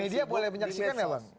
media boleh menyaksikan ya bang